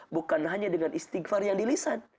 bukan hanya dengan istighfar yang dilisan